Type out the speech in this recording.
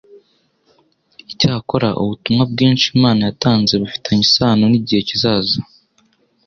Icyakora, ubutumwa bwinshi Imana yatanze bufitanye isano n'igihe kizaza,